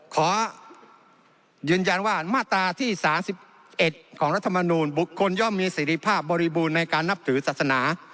ขอยืนยันว่ามาตราที่๓๑ของรัฐมนูลบุคคลย่อมมีสิริภาพบริบูรณ์ในการนับถือศาสนา